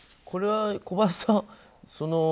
これは小林さん